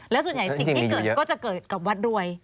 แล้วส่วนใหญ่สิ่งที่เกิดก็จะเกิดกับวัดรวย